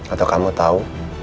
atau kamu tahu